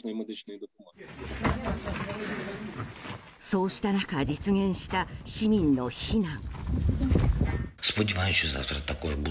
そうした中実現した市民の避難。